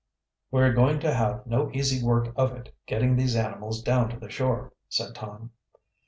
"We are going to have no easy work of it, getting these animals down to the shore," said Tom.